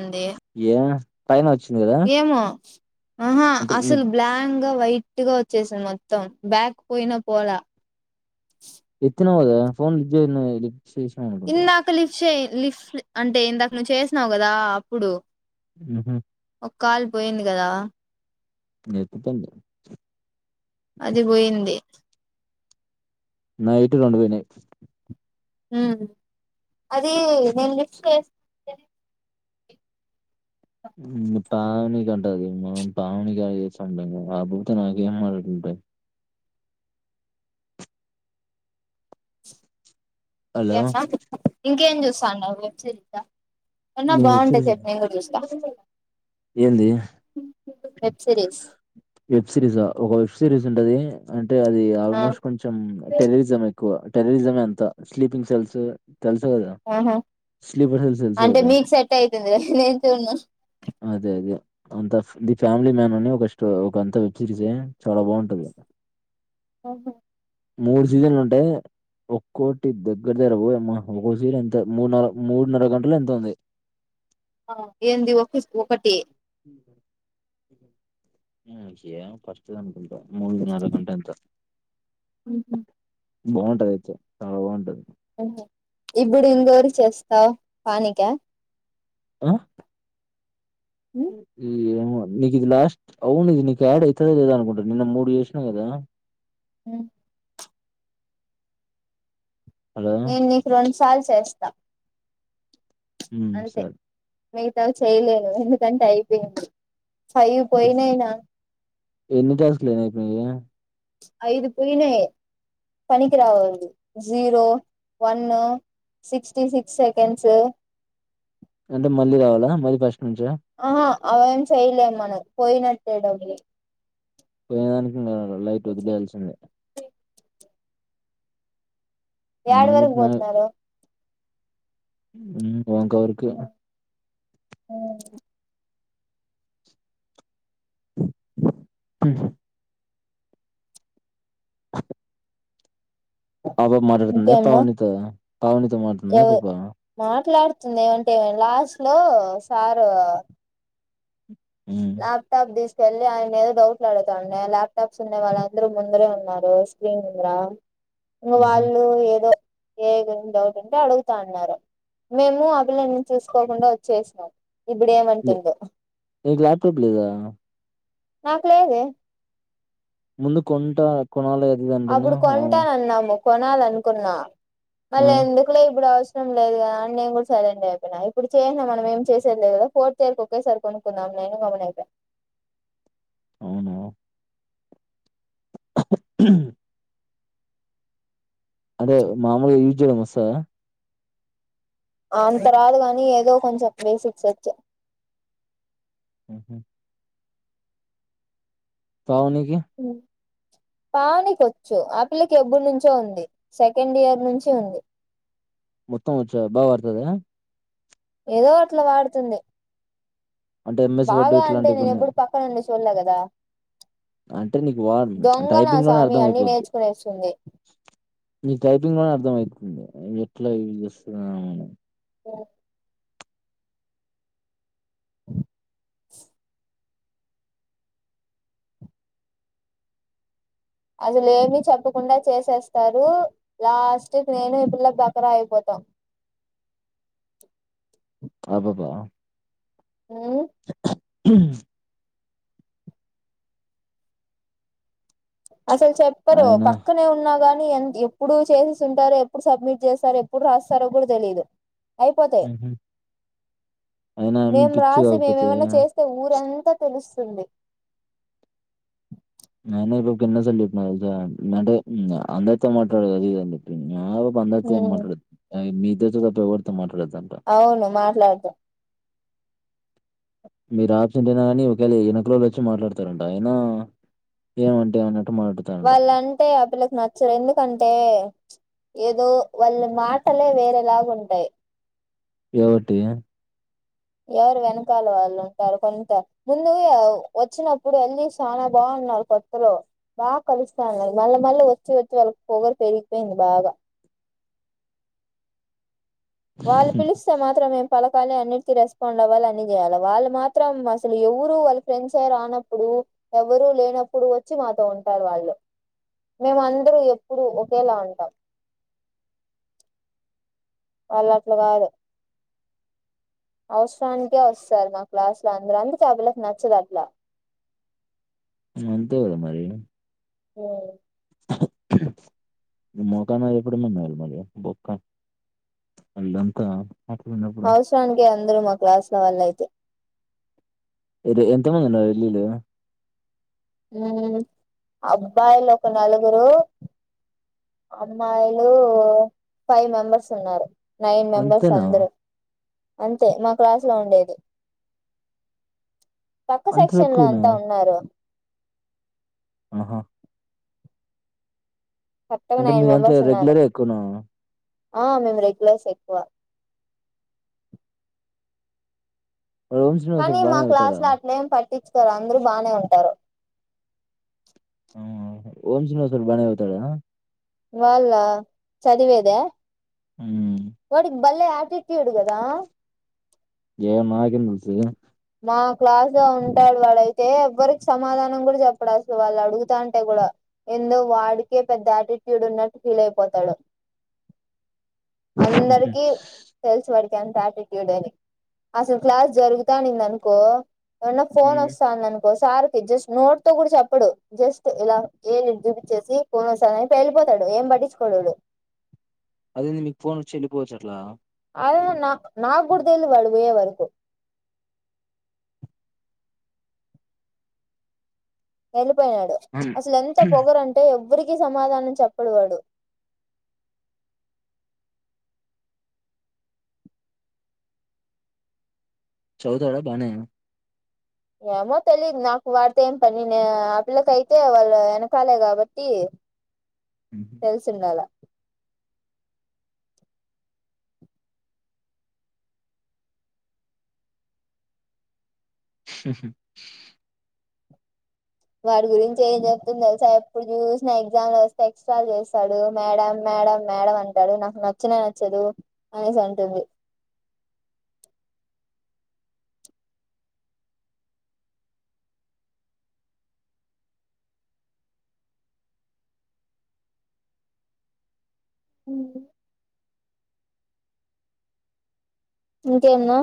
ఉంది ఏ పైన వచ్చింది కదా ఏమో ఆహా అంటే నీ అసలు బ్లాంక్ వైట్ గా వచ్చేసిాంది మొత్తం బ్యాక్ పోయిన పోలా ఎత్తినవు కదా ఫోన్ లిఫ్ట్ చేయలేదేంటి ఇందాక లిఫ్ట్ చే లిఫ్ట్ అంటే ఇందాక నువ్వు చేసినావు్ కదా అప్పుడు ఆహా కాల్ పోయింది కదా నెట్టు తుండు అది పోయింది నాదైతే రెండు పోయినాయి అది నేను లిస్ట్ చేస్త పాావని కంటది నే పావని కి ఏడ చేస్తే నేను ఊకనే గేమ్ ఆడుకుంటా హలో స ఇంకేం చూస్తున్నావ్ వెబ్ సిరీస్ ఆ అన్న నేను వెబ్ బాగుంటే సిరీస్ చెప్పు నేను కూడా చూస్తా ఏంది వెబ్ సిరీస్ వెబ్ సిరీస్ ఆ ఒక సిరీస్ ఉంటది అంటే అది ఆ ఆల్మోస్ట్ కొంచెం టెరరిజం ఎక్కువ టెరరిజం అంత స్లీపింగ్ సెల్స్ తెలుసు కదా ఆహా స్లీపర్ హెల్త్ తెలుసు అంటే కదా మీకు సెట్ అయితుంది నేను చూడను అదే అదే అంత ఫ్యామిలీ మ్యాన్ అని ఒక ఒక అంత వెబ్ సిరీస్ ఏ చాలా బాగుంటది ఓహో మూడు సీజన్లో ఉంటాయి ఒక్కోటి దగ్గర దగర ఓయమ్మ ఒక్కొక్క సిరీ ఎంత మూడు నర మూడున్నర గంటలు ఎంతో ఉంది ఆ ఏంది ఒక సి ఒకటి మ్మ్ యా ఫస్ట్ మూడున్నర గంట అంత అహ బాగుంటది అయితే చాలా బాగుంటది ఇప్పుడు ఇంకోరికి చేస్తావ్ పావనిక ఆ మ్మ్ ఏమో నీకు ఇది లాస్ట్ అవును ఇది నీకు యాడ్ అయితది అనుకుంటా నిన్న మూడు చేసినవు కదా అ హలో నేను నీకు రెండు సార్లు చేస్తాను ఉ సర మిగతా చేయలేను ఎందుకంటే అయిపోయింది సాయి పోయినయినా ఎన్ని టాస్క్లు అయినాయి ఇప్పుడు నీవి ఐదు పోయినా పనికి రావాలి zero one sixty six seconds అంటే మళ్ళీ రావాలా మళ్ళీ ఫస్ట్ నుంచ ఆహా అవేం చేయలే మనకు పోయినట్టేయడని వ ైట్ వదిలే కలిస ఏడు నైట్ వరకు పోతున్నారు అకావరుకు అ ప పాపా మాట్డుతుందా ఇంకేమన్నా తవనీతో తావనీతో మాట్తుందా పాపా వస్తుంది ఏమంటేమ లాస్ట్ లో సారు హ్మ్ ఆలాభ తాపు దేశ తెళ్ళలి ఆయన ఏదో డౌట్లులాడుతాే ల్యాప్టాప్స్ ఉన్నా వాళ్ళందరూ ముందరే ఉన్నారు స్క్రీన్ంద ఇంకా ఊహూ వాళ్ళు ఏదో ఏ డౌట్ ఉంటే అడుగుతా అన్నారు మేము ఆ పిల్లని చూసుకోకుండా వచ్చేసాం ఇప్పుడ ఏమంటుందో ప్పులేదా నాకు లేదు ముందు కొంట కొనాలి అప్పుడు అదుదంటేనువు కొంటానన్నాము కొనాలనుకున్నా మళ్ళీ ఎందుకులో ఇప్పుడు ష్టం లేదు కదాని నేను కూడా సైలెంట్ అయి ఇప్పుడు చేసా మనం ఏం చేసేదిదుదా ఫోర్త్ ఇయర్కి ఒకేసారి కొనుక్కున్నాం గమన ఇపో అవునా అదే మామూలుగా యూజ్ చేడం మసాాలా ఆ తర్వాత గానీ ఏదో కొంచెం బేసిక్స్ వచ్చే హహ పావునుక పావనిక వచ్చు ఆ పిల్లకి ఎబ్బరు నుంచో ఉంది సెకండ్ ఇయర్ నుంచి ఉంది మొత్తం వచ్చ బాగా వడుతుద ఏదో అట్లా వాడుతుంది అంటే ఎంఎస్ వర్డ్ బాగా అంటే ఇట్లాంటివి నేను కొన్ని ఎప్పుడు పక్కనండి చల్ కదా అంటే నీకు వా దొంగ నా టైపింగ్ లోనే స్వామి అర్థం అన్ని అయిపోద్ది నేర్చుకునేస్తుంది మీ టైపింగ్ లోనే అర్థం అవుతుంది ఎట్లా యూజ్ చేస్తున్నా మని ఓ అ అసలు ఏమి చెప్పకుండా చేసేస్తారు లాస్ట్ నేను ఈ పిల్లలకు దకర అయిపోతాం ఆబాబా ఉమ్ హ అసలు చెప్పరు ఆయన పక్కనే ఉన్నా గాని ఎ ఎప్పుడు చేసస్తుంటారో ఎప్పుడు సబ్మిట్ చేస్తారో ఎప్పుడు రాస్తారో కూడా తెలియదు అయిపోతాయి ఆయన ఆమె మేము పిచ్చి రాసి కాకపోతే మేముమన్నా చేస్తే ఊరంతా తెలుసు తంది నన ఇ కిన్న సల్లి మంటే అందతో మాటలి బంద ఉమ్ మాట్డ మీ ఇద చ తప్పవడుతో మాట్లాడదు అవును మాట్లాడదు మీరు ఆబ్జెంటీనా ని ఒకవేళ వెనక రోజ వచ్చి మాట్లాడతారంట ఆయన ఏమంటే ఏమనంట వాళ్ళంటే ఆ పిల్లకి నచ్చరు ఎందుకంటే ఏదో వాళ్ళ మాటలే వేరేలాగుంటాయి ఏవటి ఎవరు వెనకాల వాళ్ళు ఉంటారు కొంత ముందు వచ్చినప్పుడు వెళ్ళలి చాలా బాగు కొతులో బాగా కలుస్తానుది మళ్ళీ మళ్ళీ వచ్చి వచ్చి వాళ్ళకి పోగరు పెరిగిపోయింది బాగా [inaudible] వాళ్ళు పిలిస్తే మాత్రం ఏం పల తనే అన్నిటికి రెస్పాండ్ అవ్వాల అన్నీ చేయాల వాళ్ళు మాత్రం అసలు ఎవ్వరు వాళ్ళ ఫ్రెండ్స్ యే రానప్పుడు ఎవ్వరు లేనప్పుడు వచ్చి మాతో ఉంటారు వాళ్ళు మేము అందరూ ఎప్పుడు ఒకేలా ఉంటాం వాళ్ళు అట్లా కాదు అవసరానికే వస్తారు మా క్లాసు‌లో అందరు అందుకే ఆ పిల్లకి నచ్చదు అట్లా హ్మ్ అంతేకదా మరి హ్మ్ [unintelligible] నిన్న ఊకన్నది ఎప్పుడు మింగాలి మరి బొక్క అల్లంకా అవసరానికే అందరూ మా క్లాసులో వాళ్ళు అయితే ఎంత మంది ఉన్నారు వెళ్ళిలో హ్మ్ అబ్బాయిలు ఒక నలుగురు అమ్మాయిలు ఫైవ్ మెంబర్స్ ఉన్నారు నైన్ మెంబర్స్ అంతేనా? అందరూ అంతే మా క్లాస్ లో ఉండేది పక్క అంత సెక్షన్ లో తక్కువనా? అంతా ఉన్నారు ఆహా మొత్తం అంటే నైన్ మీదంతా మెంబర్స్ ఉన్నారు రెగ్యులరే ఎక్కువనా? ఆ మేము రెగ్యులర్స్ ఎక్కువ వాడు ఓం కానీ శ్రీనివాసరావు మా బానే చదువుతాడా? క్లాస్‌లా అట్లేం పట్టిచుకోరు అందరూ బానే ఉంటారు హ్మ్ ఓం శ్రీనివాస్ సార్ బానే చదువుతాడా వాళ్ల్ళ చదివేదా హ్మ్ వాడికి భలే అ టిట్యూడ్ కదా ఏమో మాకేం తెలుసు తే ఎవ్వరికి సమాధానం కూడా చెప్పాడు అసలు వాళ్ళు అడుగుతాంటే కూడా ఎందో వాడికే పెద్ద యాటి ట్యూడ్‌వున్నటు ఫీల్ అయిపోతాడు అందరికి తెలుసు వాడికి ఎంత యాటిట్యూడ్ అని అసలు క్లాస్ జరుగు తానింది అనుకో ఏమన్నా ఫోన్ హ్మ్ వస్తాంది అను కో సారికి జస్ట్ నోటితో కూడా చెప్పడు జస్ట్ ఇలా ఏలు ఇటు చూపిచేసి పోదునా సార్ అని వెళ్ళిపో తాడు ఏంపట్టిచుకోడు వీడు అదేంది మీకు ఫోన్ వచ్చి వెళ్ళిపోవచ్చ అట్లా అదేకదా నా నాక్కూడా తెల్దు వాడు పోయేవరకు వెళ్లిపోయాడు అవును అసలు ఎంత పొగరంటే ఎవరికి సమాధానం చెప్పడు వాడు చదువుతాడ బానే ఏమో తెలిదు నాకు వాడితో ఏంపని నే ఆ పిల్లకి అయితే వాళ్ళు ఎనకాలే కాబట్టి ఉహు తెలిసిందల [unintelligible] వాడి గురించి ఏం చెప్తుంది తెలుసా ఎప్పుడు చూసినా ఎగ్జామ్ లో వస్తే ఎక్స్ట్రా చేస్తాడు మేడం మేడం మేడం అంటాడు నాకు నచ్చనే నచ్చదు అనేసి అంటుంది హ్మ్ ఇంకేంది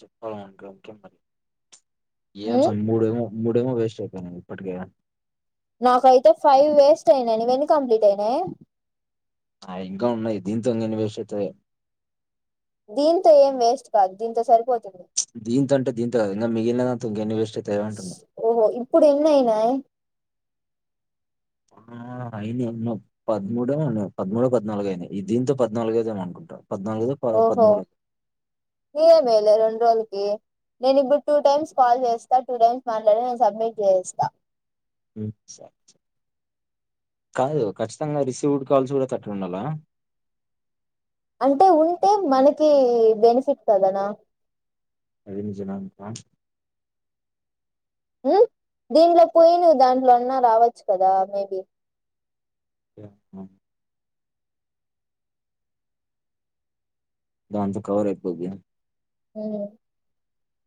చెప్పాల ఉంటే ఇంకేంమరి ఏం ఉమ్ సామి మూడేమో మూడేమో వే స్ట్ అయిపోయినాయ్ ఇప్పటికే నాకైతే ఫైవ్ వేస్ట్ అయినాయ్ నీవెన్ని కంప్లీట్ అయినాయ్ ఆ ఇంకా ఉన్నాయ్ దీంతో ఇంక ఎన్ని వేస్ట్ అవుతాయో దీంతో ఏం వేస్ట్ కాదు దీంతో సరిపోతుంది దీంతో అంటే దీంత కాదు మిగిలినా వాటిలో ఇంకా ఎన్ని ఓహో ఇప్పుడు ఎన్నయినా ఆ అయినా పదమూడు పదమూడో పద్నాలుగు అయినాయి దీంతో పద్నాలుగు అయితయి అనుకుంటా పద్నాలుగైదో ప ఓహో పదమూడో [unintelligible] నేను ఇప్పుడు టూ టైమ్స్ కాల్ చేస్తా టూ టైమ్స్ మాట్లాడి నేను సబ్మిట్ చేసేస్తా స కాదు ఖచ్చితంగా రిసీవ్డ్ కాల్స్ కూడా థర్టీ ఉండాలా అంటే ఉంటే మనకె బెనిఫిట్ కదనా అది నిజమే అనుకో దీంట్లో పోయి నా దాంట్లో ఆన్నా రావచ్చు కదా మేబి దాంతో కవర అయిపోది హూ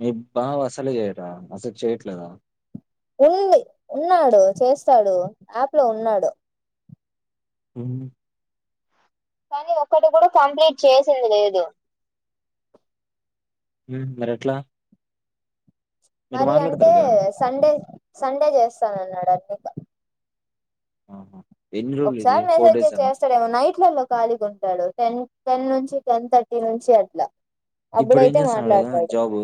మీ బావ అసలే చేయరా అసలు చేయ్యట్లేదా ఉంది ఉన్నాడు చేస్తాడు యాప్ లో ఉన్నాడు హామ్ కానీ ఒక్కటి కూడా కంప్లీట్ చేసింది లేదు మరి ఎట్లా మీరు మరి అంటే మాట్లాడతారుగా సండే సండే చేస్తాను అన్నాడు ఆహా ఎన్ని రోజులు ఇది ఒకసారి ఫోర్ మెసేజ్ డేస్ చేయి అనా చేస్తాడేమో నైట్లలో ఖాలీగా ఉంటాడు టెన్ టెన్ నుంచి టెన్ థర్టీ నుంచి అట్లా ఇప్పుడు ఏం అప్పుడైతే చేస్తున్నాడు మాట్లాడతాడు జాబ్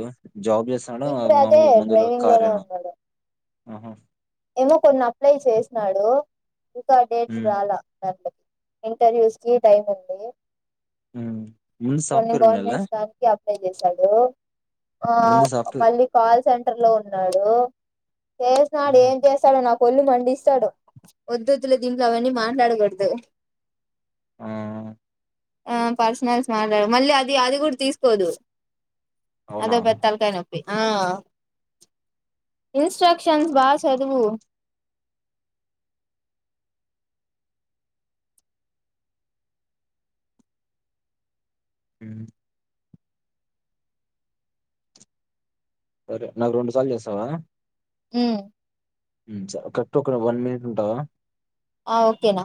జాబ్ చేస్తున్నాడ ఇప్పుడు అదే మాముూలుగా ముందు ల డ్రైవింగ్ లోనే కార్న ఉన్నాడు ఆహా ఏమో కొన్ని అప్లై చేసినాడు ఇంకా డేట్ ఉమ్, రాలా ఇంటర్వ్యూస్ కి టైం ఉంది ఉమ్. ముందు కొన్ని సాఫ్ట్వేర్ ఉండాలా [unintelligible] అప్లై చేశాడు ఆ ముందు సాఫ్ట్వేర్ మళ్ళీ కాల్ సెంటర్ లో ఉన్నాడు చేసినాడు ఆహా. స్తాడు నాకు ఒళ్ళు మండిస్తాడు వద్దుద్దులే దీంట్లో అవన్నీ మాట్లాడకూడదు ఆహ ఆ పర్సనల్స్ మాట్లాడ మళ్ళీ అది అది కూడా తీసుకోదు అది అవునా ఒక తలకాయ నొప్పి ఇన్స్టక్షన్స్ బా చదువు హ్మ సరే నాకు రెండు సార్లు చేస్తావా హహాయ్ స కరెక్ట్ ఒక వన్ మినిట్ ఉంటాదా ఆ ఓకేనా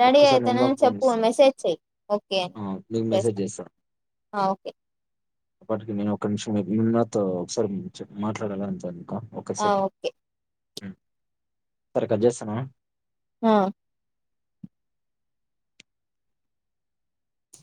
రెడీ నేను అయితేనని ఫోన్ చెప్పు చేస్తా మెసేజ్ చెయ్య ఓకే అ ఆ, నీకు మెసేజ్ చేస్తాను చేస్తా ఓకే అప్పటికి నేను ఒకక్క నిమిషం ని నాతో ఒకసారి మాట్లాడాల అంతను ఆ ఓకే సరి క చేస్తానా ఆహాయ్